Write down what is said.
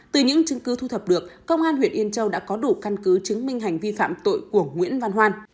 từ những chứng cứ thu thập được công an huyện yên châu đã có đủ căn cứ chứng minh hành vi phạm tội của nguyễn văn hoan